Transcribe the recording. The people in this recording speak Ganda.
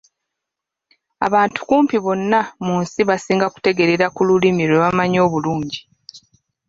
Abantu kumpi bonna mu nsi basinga kutegeerera mu lulimi lwe bamanyi obulungi.